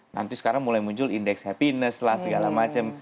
nanti sekarang mulai muncul indeks happiness lah segala macam